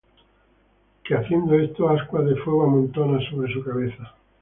que haciendo esto, ascuas de fuego amontonas sobre su cabeza.